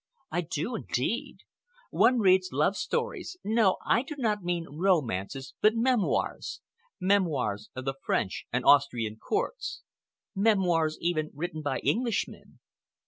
"I do, indeed. One reads love stories—no, I do not mean romances, but memoirs—memoirs of the French and Austrian Courts—memoirs, even, written by Englishmen.